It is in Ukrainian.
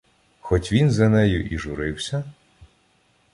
Хоть він за нею і журився